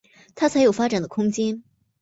他才有发展的空间